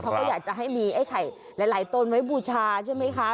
เขาก็อยากจะให้มีไอ้ไข่หลายตนไว้บูชาใช่ไหมคะ